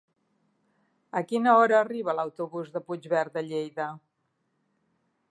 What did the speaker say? A quina hora arriba l'autobús de Puigverd de Lleida?